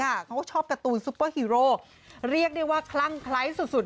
เขาก็ชอบการ์ตูนซุปเปอร์ฮีโร่เรียกได้ว่าคลั่งคล้ายสุด